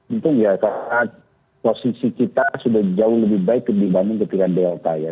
untung ya saat posisi kita sudah jauh lebih baik dibanding ketika delta ya